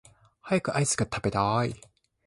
早くアイスが食べたい